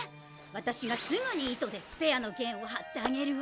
わたしがすぐに糸でスペアの弦をはってあげるわ。